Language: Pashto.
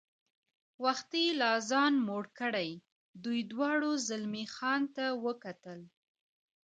وختي لا ځان موړ کړی، دوی دواړو زلمی خان ته وکتل.